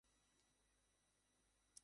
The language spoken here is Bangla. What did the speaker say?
এমন করিয়া কতদিন চলিবে?